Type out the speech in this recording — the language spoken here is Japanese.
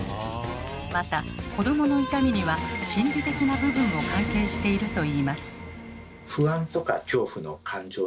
また子どもの痛みには心理的な部分も関係しているといいます。